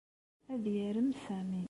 Ad yarem Sami.